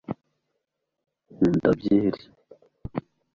nkunda byeri